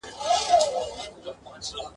زړه یې ووتی له واکه نا آرام سو !.